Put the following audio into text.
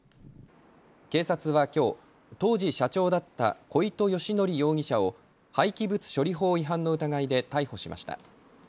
警察はきょう当時、社長だった小糸佳工容疑者を廃棄物処理法違反の疑いで逮捕しました。